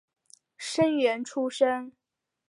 生员出身。